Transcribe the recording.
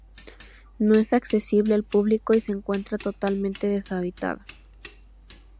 No es accesible al público y se encuentra totalmente deshabitada.